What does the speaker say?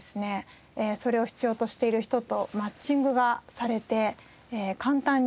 それを必要としている人とマッチングがされて簡単に。